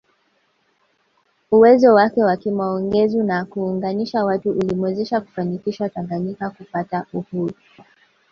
Uwezo wake wa kimaongezi na kuunganisha watu ulimwezesha kufanikisha Tanganyika kupata uhuru